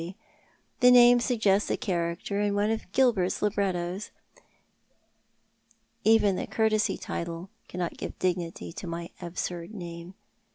The name suggests a character in one of Gilbert's librettos. Even the couvtcsy title cannot give dignity to my absurd name.